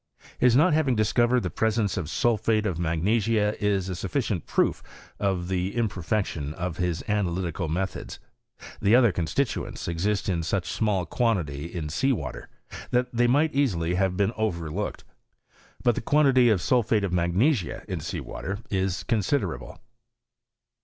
His not having discovered the presence of sulphate of mag nesia is a sufficient proof of the imperfection of his analytical methods; the otber constituents exist ia. such small quantity in sea water that tbey might easily have been overlooked, but the quantity of> sulphate of magnesia in sea water is considerable.